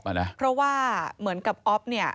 เพราะว่าเหมือนกับอ๊อฟเนี่ย